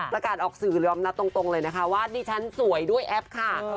ประกาศออกสื่อยอมรับตรงเลยนะคะว่าดิฉันสวยด้วยแอปค่ะ